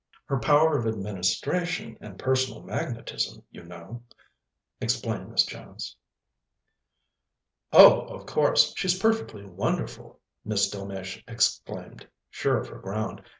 "Her power of administration and personal magnetism, you know," explained Miss Jones. "Oh, of course she's perfectly wonderful," Miss Delmege exclaimed, sure of her ground.